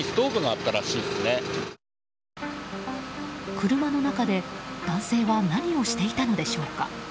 車の中で男性は何をしていたのでしょうか。